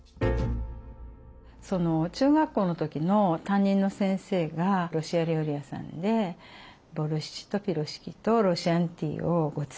中学校の時の担任の先生がロシア料理屋さんでボルシチとピロシキとロシアンティーをごちそうしてくださったんですね。